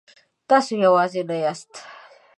تاسو یوازې نه یاست.